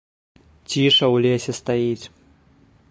Ціша ў лесе стаіць.